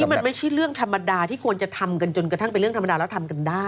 มันไม่ใช่เรื่องธรรมดาที่ควรจะทำกันจนกระทั่งเป็นเรื่องธรรมดาแล้วทำกันได้